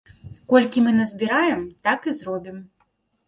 Колькі мы назбіраем, так і зробім.